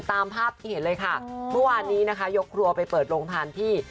ตามภาพที่เห็นเลยค่ะเมื่อวานนี้นะคะยกครัวไปเปิดโรงทานที่